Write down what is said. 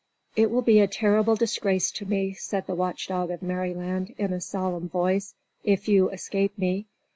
"It will be a terrible disgrace to me," said the Watch Dog of Merryland, in a solemn voice, "if you escape me.